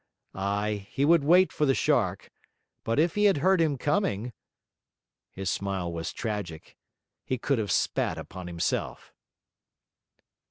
Ay, he would wait for the shark; but if he had heard him coming!... His smile was tragic. He could have spat upon himself.